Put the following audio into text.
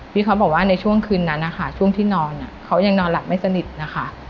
เขาบอกว่าในช่วงคืนนั้นนะคะช่วงที่นอนเขายังนอนหลับไม่สนิทนะคะ